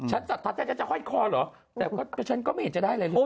สัทได้แล้วจะห้อยคอเหรอแต่ฉันก็ไม่เห็นจะได้อะไรเลย